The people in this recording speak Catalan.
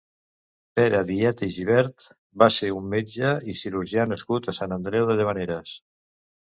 Pere Vieta i Gibert va ser un metge i cirurgià nascut a Sant Andreu de Llavaneres.